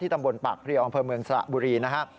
ที่ตำบลปากพรีองค์อังเภอเมืองสระบุรีนะครับ